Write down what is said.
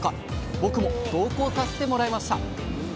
僕も同行させてもらいました。